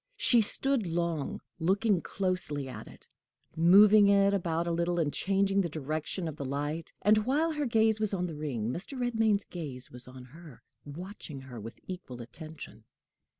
She stood long, looking closely at it, moving it about a little, and changing the direction of the light; and, while her gaze was on the ring, Mr. Redmain's gaze was on her, watching her with equal attention.